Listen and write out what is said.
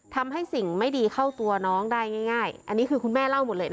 ทำให้สิ่งไม่ดีเข้าตัวน้องได้ง่ายอันนี้คือคุณแม่เล่าหมดเลยนะ